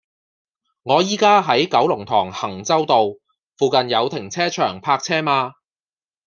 我依家喺九龍塘衡州道，附近有停車場泊車嗎